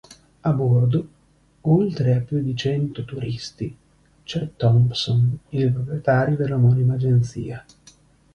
A bordo, oltre a più di cento turisti, c'è Thompson, il proprietario dell'omonima agenzia.